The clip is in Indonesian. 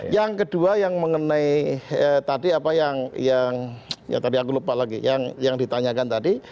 yang kedua yang mengenai tadi apa yang ya tadi aku lupa lagi yang ditanyakan tadi